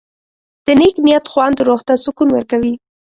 د نیک نیت خوند روح ته سکون ورکوي.